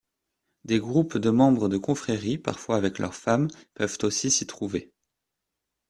Des groupes de membres de confréries, parfois avec leurs femmes, peuvent aussi s'y trouver.